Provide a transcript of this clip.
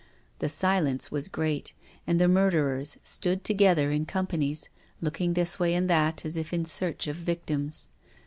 The silence was great, and the murderers stood together in companies, looking this way and that as if in search of victims.